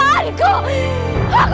dan juga kekecewaanku